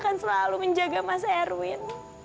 akan selalu menjaga mas erwin